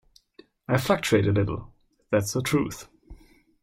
I fluctuate a little; that's the truth.